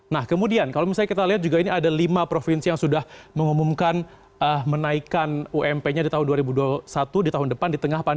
nah kemudian kalau misalnya kita lihat juga ini ada lima provinsi yang sudah mengumumkan menaikan ump nya di tahun dua ribu dua puluh satu